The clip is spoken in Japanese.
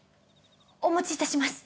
お持ち致します。